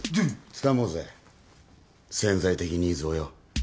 つかもうぜ潜在的ニーズをよ。